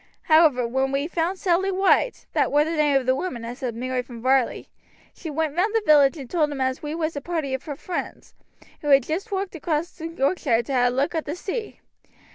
However, when we found Sally White that war the name of the woman as had married from Varley she went round the village and told 'em as we was a party of her friends who had joost walked across Yorkshire to ha' a lock at the sea.